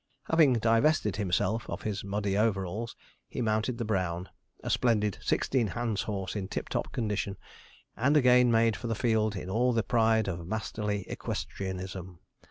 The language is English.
Having divested himself of his muddy overalls, he mounted the brown, a splendid sixteen hands horse in tip top condition, and again made for the field in all the pride of masterly equestrianism.